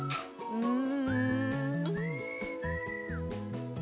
うん。